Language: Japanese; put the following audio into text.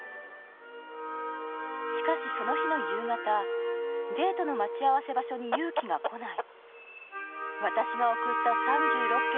しかし、その日の夕方、デートの待ち合わせ場所にゆうきが来ない。